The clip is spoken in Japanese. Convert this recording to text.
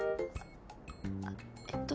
あっえっと